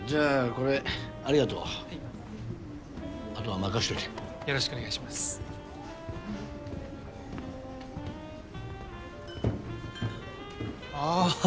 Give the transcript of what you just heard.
これありがとうはいあとは任しといてよろしくお願いしますああ